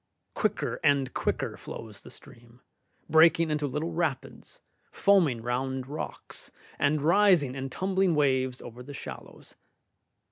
Quicker and quicker flows the stream, breaking into little rapids, foaming round rocks, and rising in tumbling waves over the shallows.